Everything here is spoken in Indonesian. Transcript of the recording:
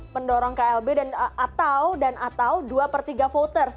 mendorong klb dan atau dua per tiga voters